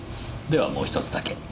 ではもうひとつだけ。